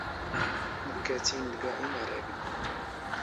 ⵏⴽⴽⴰ ⵜⵜ ⵉⵏⵏ ⵏⴳⴰ ⵉⵏⴰⵔⴰⴳⵏ.